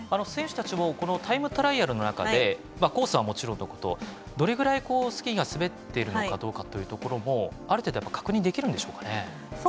選手たちもタイムトライアルの中でコースはもちろんどれぐらいスキーが滑っているのかどうかもある程度確認できるんでしょうか。